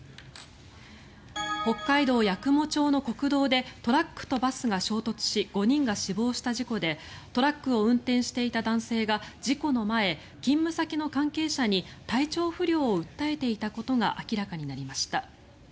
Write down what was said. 北海道八雲町の国道でトラックとバスが衝突し５人が死亡した事故でトラックを運転していた男性が事故の前勤務先の関係者に体調不良を訴えていたことが明らかになりました。